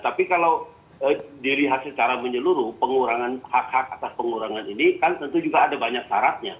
tapi kalau dilihat secara menyeluruh pengurangan hak hak atas pengurangan ini kan tentu juga ada banyak syaratnya